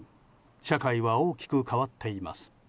社会は大きく変わっています。